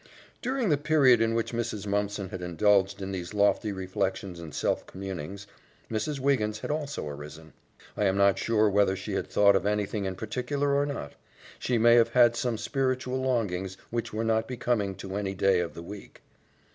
During the period in which Mrs. Mumpson had indulged in these lofty reflections and self communings, Mrs. Wiggins had also arisen. I am not sure whether she had thought of anything in particular or not. She may have had some spiritual longings which were not becoming to any day of the week.